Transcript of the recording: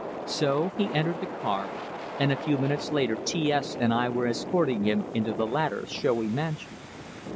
So he entered the car, and a few minutes later T S and I were escorting him into the latter's showy mansion.